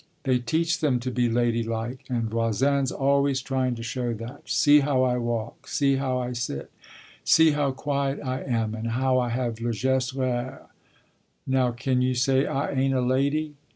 "They teach them to be ladylike and Voisin's always trying to show that. 'See how I walk, see how I sit, see how quiet I am and how I have le geste rare. Now can you say I ain't a lady?'